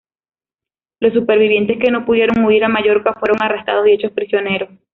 Los supervivientes que no pudieron huir a Mallorca fueron arrestados y hechos prisioneros.